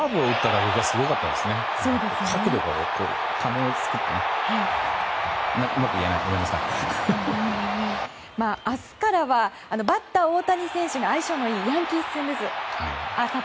あさってからはバッター大谷選手に相性がいいヤンキース戦です。